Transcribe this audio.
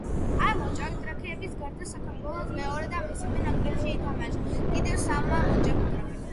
ამ მოჭადრაკეების გარდა საქართველოს მეორე და მესამე ნაკრებებში ითამაშა კიდევ სამმა მოჭადრაკემ.